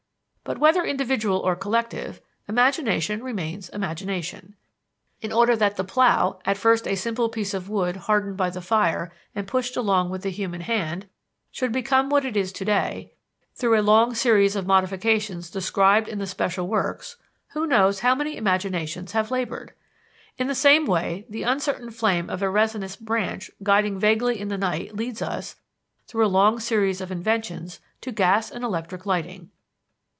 But, whether individual or collective, imagination remains imagination. In order that the plow, at first a simple piece of wood hardened by the fire and pushed along with the human hand, should become what it is to day, through a long series of modifications described in the special works, who knows how many imaginations have labored! In the same way, the uncertain flame of a resinous branch guiding vaguely in the night leads us, through a long series of inventions, to gas and electric lighting.